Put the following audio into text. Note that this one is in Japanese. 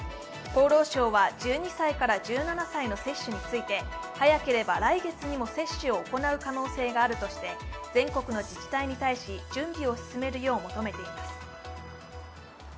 厚労省は１２歳から１７歳の接種について早ければ来月にも接種を行う可能性があるとして全国の自治体に対し準備を進めるよう求めています。